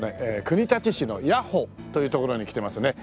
国立市の谷保という所に来てますね。